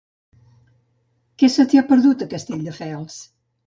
Què se t'hi ha perdut, a Castelldefels?